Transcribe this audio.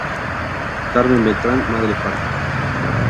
Carmen Beltrán: Madre Patria.